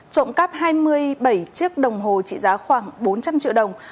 trộm cắp hai mươi bảy chiếc đồng hồ trị giá khoảng bốn trăm linh triệu đồng